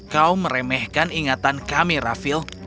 kau meremehkan ingatan kami rafil